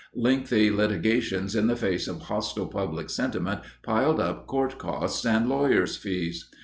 Lengthy litigations in the face of hostile public sentiment piled up court costs and lawyer fees.